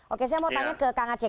oke saya mau tanya ke kang aceh